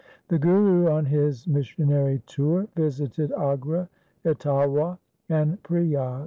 The Guru On his missionary tour visited Agra, Itawa, and Priyag.